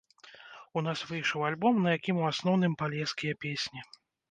У нас выйшаў альбом на якім у асноўным палескія песні.